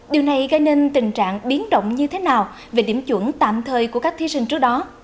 điều này gây nên tình trạng biến động như thế nào về điểm chuẩn tạm thời của các thí sinh trước đó